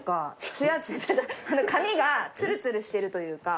髪がつるつるしてるというか。